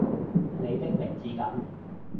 你的名字梗